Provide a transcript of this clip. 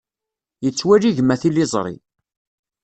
Yettwali gma tiliẓri.